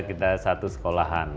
kita satu sekolahan